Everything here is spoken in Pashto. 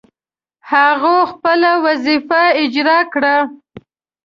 هغوی خپله وظیفه اجرا کړه.